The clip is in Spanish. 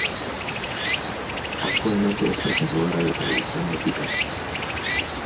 Actualmente es presentadora de televisión mexicana.